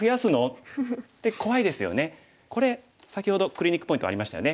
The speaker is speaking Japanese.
これ先ほどクリニックポイントありましたよね。